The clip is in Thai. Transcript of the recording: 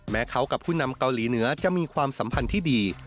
เขากับผู้นำเกาหลีเหนือจะมีความสัมพันธ์ที่ดี